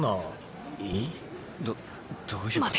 どどういうこと？